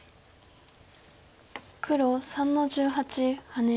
黒３の十八ハネ。